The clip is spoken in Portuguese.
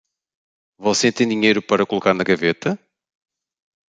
Você tem dinheiro para colocar na gaveta?